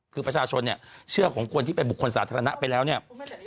คือประชาชนเนี่ยเชื่อของคนที่เป็นบุคคลสาธารณะไปแล้วเนี่ย